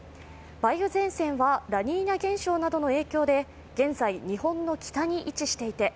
梅雨前線はラニーニャ現象などの影響で現在、日本の北に位置していて